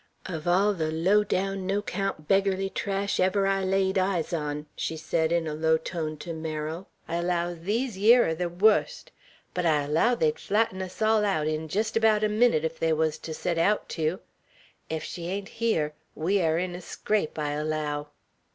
"Uv all ther low down, no 'count, beggarly trash ever I laid eyes on," she said in a low tone to Merrill, "I allow these yere air the wust! But I allow they'd flatten us all aout in jest abaout a minnit, if they wuz to set aout tew! Ef she ain't hyar, we air in a scrape, I allow."